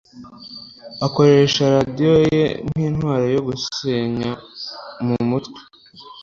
Akoresha radiyo ye nkintwaro yo gusenya mumutwe.